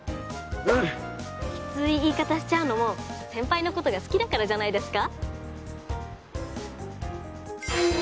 キツい言い方しちゃうのも先輩のことが好きだからじゃないですか？